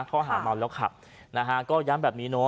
ข้อหาเมาแล้วขับนะฮะก็ย้ำแบบนี้เนอะ